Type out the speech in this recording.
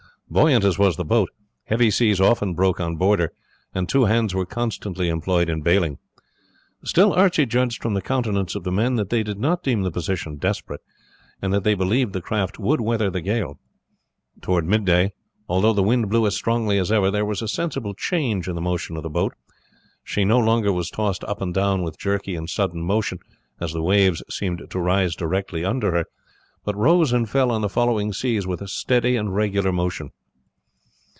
Buoyant as was the boat, heavy seas often broke on board her, and two hands were constantly employed in bailing; still Archie judged from the countenance of the men that they did not deem the position desperate, and that they believed the craft would weather the gale. Towards midday, although the wind blew as strongly as ever, there was a sensible change in the motion of the boat. She no longer was tossed up and down with jerky and sudden motion, as the waves seemed to rise directly under her, but rose and fell on the following waves with a steady and regular motion.